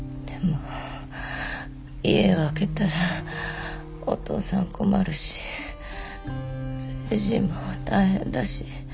でも家を空けたらお父さん困るし誠治も大変だし。